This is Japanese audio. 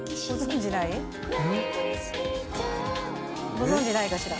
ご存じないかしら？